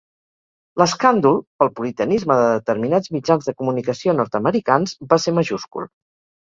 L'escàndol, pel puritanisme de determinats mitjans de comunicació nord-americans, va ser majúscul.